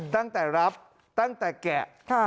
ตั้งแต่รับตั้งแต่แกะ